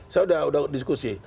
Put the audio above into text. saya sudah diskusi